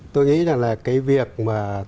tôi nghĩ rằng là cái việc mà